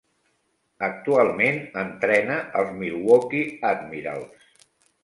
Actualment entrena els Milwaukee Admirals.